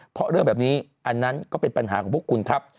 เพราะเรื่องแบบนี้อันนั้นก็เป็นปัญหาของพวกคุณครับ